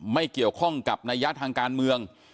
ไม่เกี่ยวข้องกับนัยยะทางการเมือง